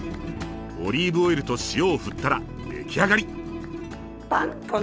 オリーブオイルと塩を振ったら出来上がり！